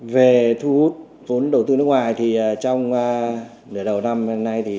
về thu hút vốn đầu tư nước ngoài trong nửa đầu năm nay